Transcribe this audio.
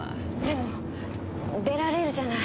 でも出られるじゃない。